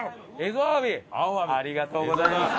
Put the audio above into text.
ありがとうございます。